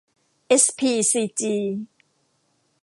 เอสพีซีจี